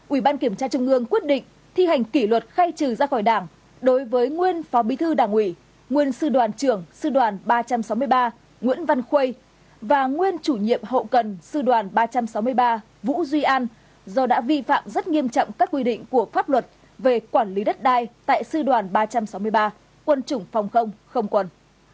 bảy ủy ban kiểm tra trung ương quyết định thi hành kỷ luật khai trừ ra khỏi đảng đối với nguyên phó bí thư đảng ủy nguyên sư đoàn trưởng sư đoàn ba trăm sáu mươi ba nguyễn văn khuây và nguyên chủ nhiệm hậu cần sư đoàn ba trăm sáu mươi ba vũ duy an do đã vi phạm rất nghiêm trọng các quy định của pháp luật về quản lý đất đai tại sư đoàn ba trăm sáu mươi ba quân chủng phòng không không quần